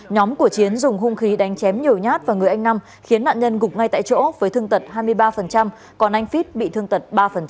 nhóm của chiến dùng hung khí đánh chém nhiều nhát vào người anh nam khiến nạn nhân gục ngay tại chỗ với thương tật hai mươi ba còn anh fit bị thương tật ba